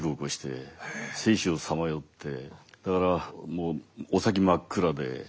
だからもうお先真っ暗で。